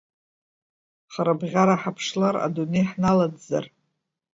Хара-бӷьара ҳаԥшлар, адунеи ҳналаӡӡар.